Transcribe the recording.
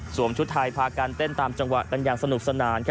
ชุดไทยพากันเต้นตามจังหวะกันอย่างสนุกสนาน